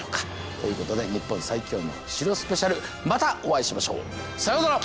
ということで「日本最強の城スペシャル」またお会いしましょう。さようなら。